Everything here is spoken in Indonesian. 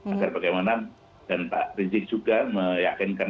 agar bagaimana dan pak rizik juga meyakinkan